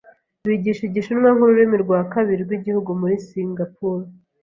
Bigisha Igishinwa nkururimi rwa kabiri rwigihugu muri Singapuru.